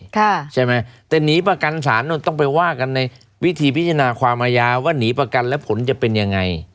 ใช่ไหมแต่หนีประกันศาลต้องไปว่ากันในวิธีพิจารณาความอาญาว่าหนีประกันแล้วผลจะเป็นยังไง